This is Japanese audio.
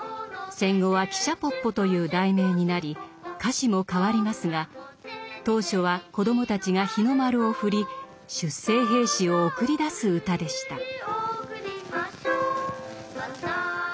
戦後は「汽車ポッポ」という題名になり歌詞も変わりますが当初は子どもたちが日の丸を振り出征兵士を送り出す歌でした。